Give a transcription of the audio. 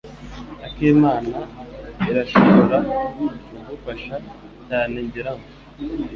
Akimana irashobora kugufasha cyane, ngira ngo.